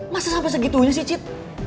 masih sampai segitunya sih cit